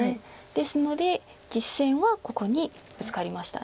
ですので実戦はここにブツカりました。